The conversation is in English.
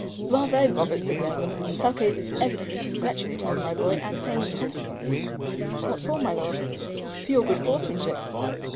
"Bravo! Robert," said Glenarvan. "Thalcave is evidently congratulating you, my boy, and paying you compliments." "What for, my Lord?" "For your good horsemanship."